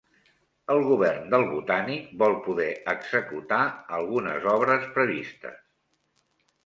El govern del Botànic vol poder executar algunes obres previstes